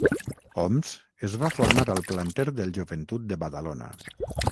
Oms es va formar al planter del Joventut de Badalona.